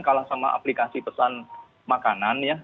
kalah sama aplikasi pesan makanan ya